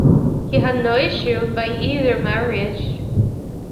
He had no issue by either marriage.